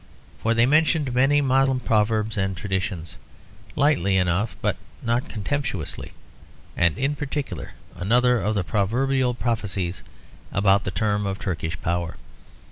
For they mentioned many Moslem proverbs and traditions, lightly enough but not contemptuously, and in particular another of the proverbial prophecies about the term of Turkish power.